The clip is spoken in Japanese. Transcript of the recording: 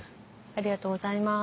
ありがとうございます。